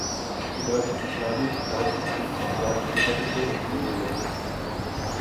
Die relativ kleinen, weißen Blüten tragen eine doppelte Blütenhülle.